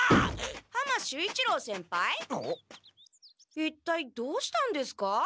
一体どうしたんですか？